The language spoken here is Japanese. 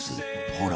ほら